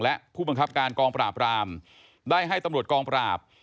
และผู้บังคับการกองปราบรามได้ให้ตำรวจกองปราบ